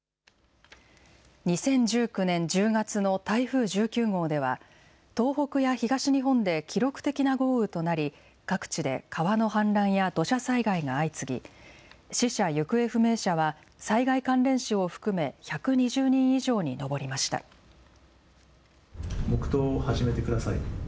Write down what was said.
２０１９年１０月の台風１９号では東北や東日本で記録的な豪雨となり各地で川の氾濫や土砂災害が相次ぎ死者・行方不明者は災害関連死を含め黙とうを始めてください。